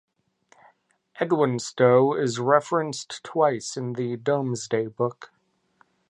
Edwinstowe is referenced twice in the Domesday Book.